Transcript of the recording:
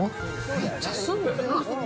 めっちゃすんでな。